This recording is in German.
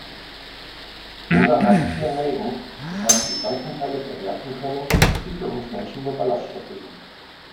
Rinder haben vier Mägen, weshalb sie Pflanzenteile verwerten können, die für uns Menschen nur Ballaststoffe sind.